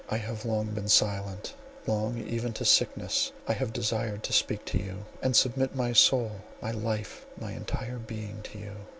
I have long been silent; long even to sickness have I desired to speak to you, and submit my soul, my life, my entire being to you.